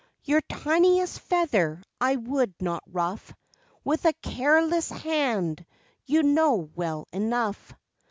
Your tiniest feather I would not rulf With a careless hand you know well enough.